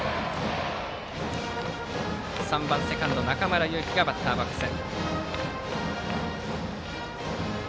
３番セカンド、中村勇貴がバッターボックス。